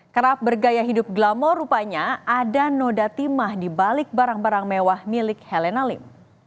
kerap bergaya hidup glamor rupanya ada noda timah di balik barang barang mewah milik helena lim